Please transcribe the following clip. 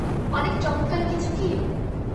অনেক চমৎকার কিছু কি?